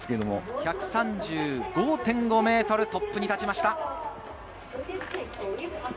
１３５．５メートルでトップに立ちました。